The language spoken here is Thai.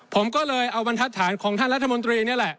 ผมก็เลยเอาบรรทัศนของท่านรัฐมนตรีนี่แหละ